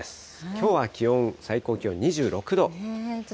きょうは気温、最高気温２６度。